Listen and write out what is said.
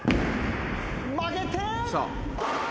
曲げて。